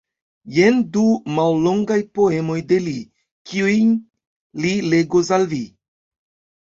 Jen du mallongaj poemoj de li, kiujn li legos al vi.